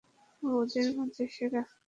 ও ওদের মাঝে সেরা।